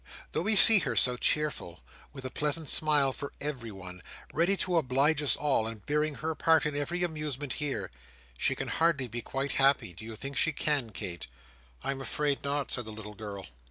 Though we see her so cheerful; with a pleasant smile for everyone; ready to oblige us all, and bearing her part in every amusement here: she can hardly be quite happy, do you think she can, Kate?" "I am afraid not," said the little girl.